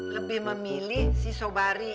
lebih memilih si sobari